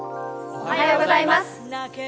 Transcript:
おはようございます。